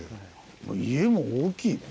家も大きいね。